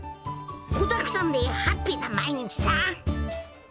子だくさんでハッピーな毎日さ！